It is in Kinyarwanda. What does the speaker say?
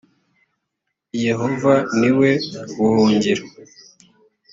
yehova ni we buhungiro